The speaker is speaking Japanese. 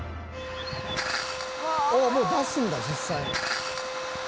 もう出すんだ実際に。